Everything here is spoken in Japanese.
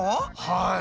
はい。